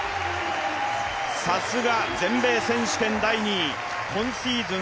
さすが全米選手権第２位今シーズン